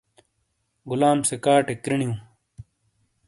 غلام سے کاٹے کِرِینِیوں۔